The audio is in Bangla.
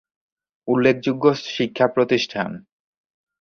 উল্লেখযোগ্য শিক্ষাপ্রতিষ্ঠান